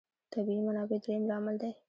طبیعي منابع درېیم لامل دی.